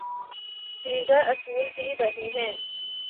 دیگر اصول بھی وہی ہیں۔